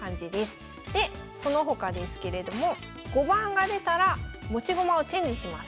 でその他ですけれども５番が出たら持ち駒をチェンジします。